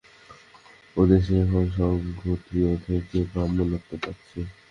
ওদেশে এখন সব ক্ষত্রিয়ত্ব থেকে ব্রাহ্মণত্ব পাচ্ছে।